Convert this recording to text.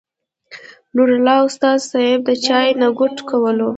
نور الله استاذ صېب د چاے نه ګوټ کولو